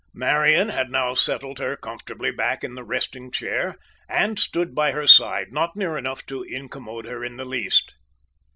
Marian had now settled her comfortably back in the resting chair, and stood by her side, not near enough to incommode her in the least.